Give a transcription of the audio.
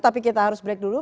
tapi kita harus break dulu